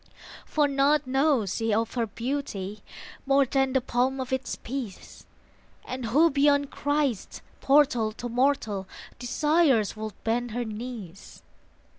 For naught knows she of her beauty, More than the palm of its peace; And who beyond Christ's portal to mortal Desires would bend her knees?